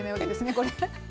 これ。